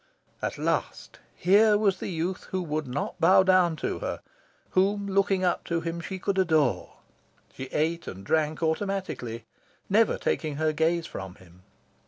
At last, here was the youth who would not bow down to her; whom, looking up to him, she could adore. She ate and drank automatically, never taking her gaze from him.